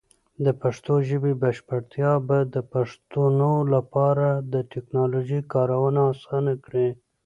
د پښتو ژبې بشپړتیا به د پښتنو لپاره د ټیکنالوجۍ کارونه اسان کړي.